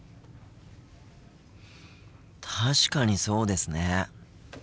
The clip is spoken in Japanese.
確かにそうですね。